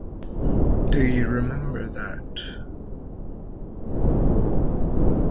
Do you remember that?